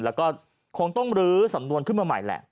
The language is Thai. แล้วก็คงต้องลื้อสำนวนขึ้นมาใหม่แหละ